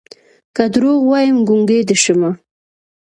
که دروغ وايم ګونګې دې شمه